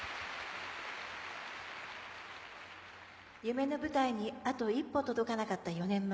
夢の舞台にあと一歩届かなかった４年前。